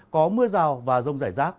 có mưa rào và rông rải rác